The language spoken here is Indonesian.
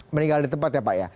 meninggal di tempat ya pak ya